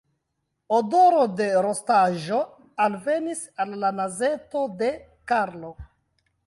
Odoro de rostaĵo alvenis al la nazeto de Karlo.